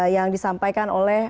yang disampaikan oleh